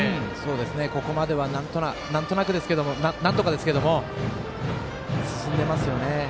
ここまではなんとかですけども進んでますね。